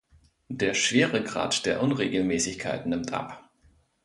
Der Schweregrad der Unregelmäßigkeiten nimmt ab.